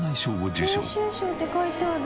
「優秀賞」って書いてある。